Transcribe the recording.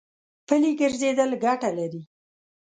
پلي ګرځېدل ګټه لري.